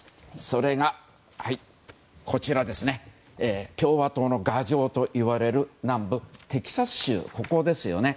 それが、こちらの共和党の牙城といわれる南部テキサス州です。